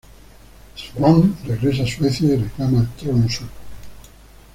Styrbjörn regresa a Suecia y reclama el trono sueco.